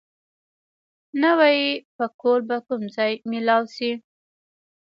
نوی پکول به کوم ځای مېلاو شي؟